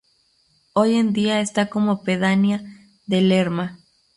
Hoy en día está como pedanía de Lerma.